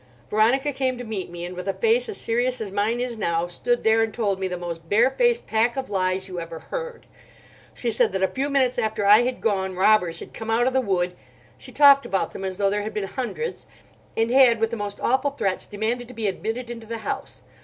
Veronica came to meet me; and with a face as serious as mine is now, stood there and told me the most barefaced pack of lies you ever heard. She said that a few minutes after I had gone, robbers had come out of the wood—she talked about them as though there had been hundreds—and had with the most awful threats demanded to be admitted into the house.